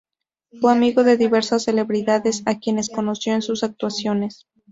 Fue amigo de diversas celebridades, a quienes conoció en sus actuaciones.